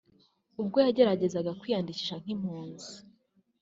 ubwo yageragezaga kwiyandikisha nk’impunzi